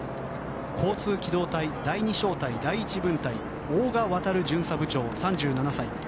交通機動隊第２小隊第１分隊大賀航巡査部長、３７歳。